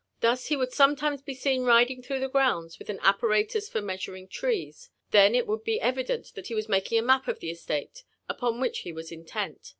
Thus, he would sometimes be seen riding through the grounds with an apparatus for measuring trees ; then it would be evident that it was making a map of the estate upon which he was intent.